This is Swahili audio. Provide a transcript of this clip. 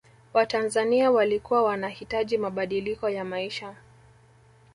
watanzania walikuwa wanahitaji mabadiliko ya maisha